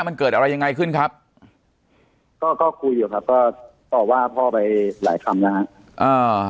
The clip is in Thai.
มันเกิดอะไรยังไงขึ้นครับก็ก็คุยอยู่ครับก็ตอบว่าพ่อไปหลายคำแล้วฮะอ่า